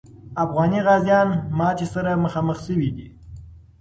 افغاني غازیان ماتي سره مخامخ سوي دي.